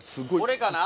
これかな？